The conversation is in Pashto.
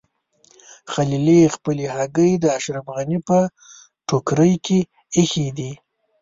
خلیلي خپلې هګۍ د اشرف غني په ټوکرۍ کې ایښي دي.